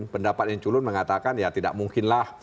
pendapat yang culun mengatakan ya tidak mungkinlah